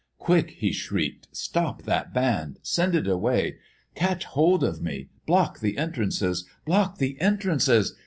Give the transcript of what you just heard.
"Quick!" he shrieked, "stop that band! Send it away! Catch hold of me! Block the entrances! Block the entrances!